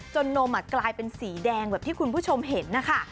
นมกลายเป็นสีแดงแบบที่คุณผู้ชมเห็นนะคะ